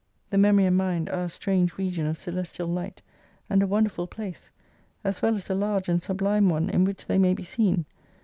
The memory and mind are a strange region of celestial light, and a wonderful place, as well as a large and sublime one, in which they may be seen.